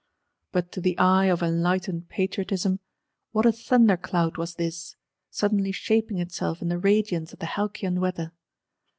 But to the eye of enlightened Patriotism, what a thunder cloud was this; suddenly shaping itself in the radiance of the halcyon weather!